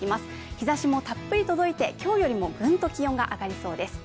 日ざしもたっぷり届いて、今日よりもぐんと気温が上がりそうです。